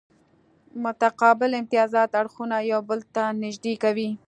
متقابل امتیازات اړخونه یو بل ته نږدې کوي